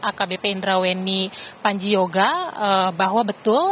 akbp indraweni panjioga bahwa betul